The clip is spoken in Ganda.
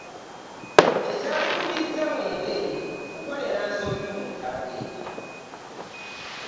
Ekyatukubizza Mwebe kukolera nsobi mu ntabwe.